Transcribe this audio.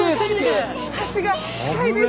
橋が近いです！